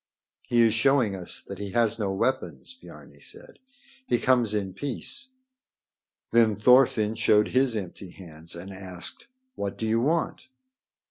"He is showing us that he has no weapons," Biarni said. "He comes in peace." Then Thorfinn showed his empty hands and asked: "What do you want?"